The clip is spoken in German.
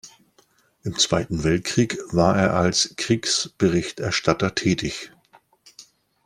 Im Zweiten Weltkrieg war er als Kriegsberichterstatter tätig.